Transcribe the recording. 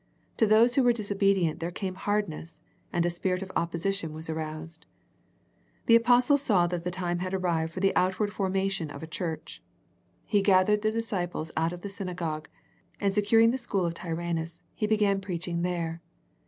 To those who were disobedient there came hardness, and a spirit of opposition was aroused. The apostle saw that the time had arrived for the outward formation of a church. He gathered the dis ciples out of the synagogue, and securing the school of Tyrannus, he began preaching there.